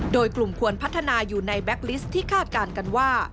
โดยกลุ่มควรพัฒนาอยู่ในแก๊กลิสต์ที่คาดการณ์กันว่า